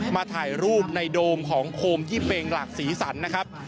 มาถ่ายรูปในโดมของโคมยี่เปลงหลักศรีสรรค์นะครับ